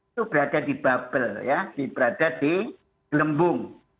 itu berada di bubble ya berada di gelembung